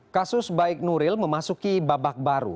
kasus baik nuril memasuki babak baru